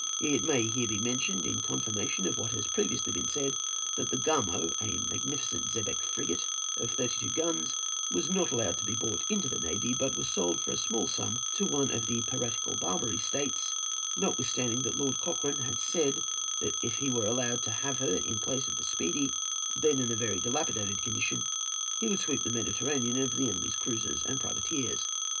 It may here be mentioned in confirmation of what has previously been said, that the Gamo, a magnificent xebeque frigate of thirty two guns, was not allowed to be bought into the navy, but was sold for a small sum to one of the piratical Barbary States, notwithstanding that Lord Cochrane had said that if he were allowed to have her in place of the Speedy, then in a very dilapidated condition, he would sweep the Mediterranean of the enemy's cruisers and privateers.